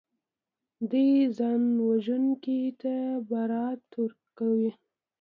دوی ځانوژونکي ته برائت ورکوي